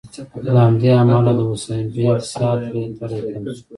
له همدې امله د حسین بېګ سا تری تم شوه.